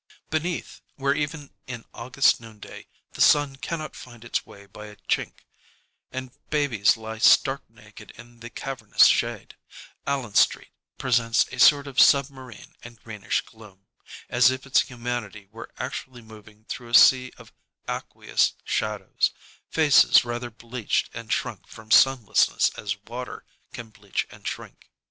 Beneath, where even in August noonday, the sun cannot find its way by a chink, and babies lie stark naked in the cavernous shade, Allen Street presents a sort of submarine and greenish gloom, as if its humanity were actually moving through a sea of aqueous shadows, faces rather bleached and shrunk from sunlessness as water can bleach and shrink.